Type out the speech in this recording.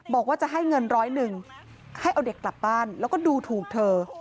บอกว่าจะให้เงินร้อยหนึ่งให้เอาเด็กกลับบ้านแล้วก็ดูถูกเธอ